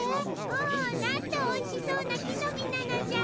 おおなんとおいしそうな木の実なのじゃ。